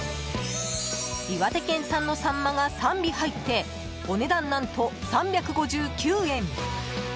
岩手県産のサンマが３尾入ってお値段何と３５９円。